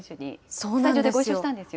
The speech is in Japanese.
そうなんですよ。